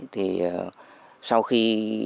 thì sau khi